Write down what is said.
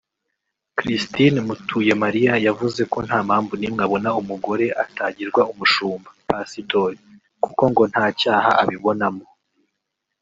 Christine Mutuyemariya yavuze ko nta mpamvu n’imwe abona umugore atagirwa umushumba (Pasitori) kuko ngo nta cyaha abibonamo